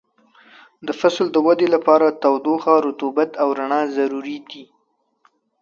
د فصل د ودې لپاره تودوخه، رطوبت او رڼا ضروري دي.